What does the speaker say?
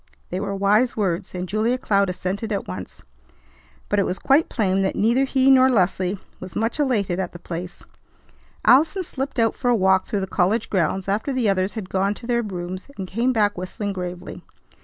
They were wise words, and Julia Cloud assented at once; but it was quite plain that neither he nor Leslie was much elated at the place. Allison slipped out for a walk through the college grounds after the others had gone to their rooms, and came back whistling gravely.